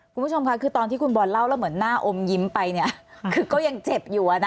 คุณผู้ชมค่ะคือตอนที่คุณบอลเล่าแล้วเหมือนหน้าอมยิ้มไปเนี่ยคือก็ยังเจ็บอยู่อะนะ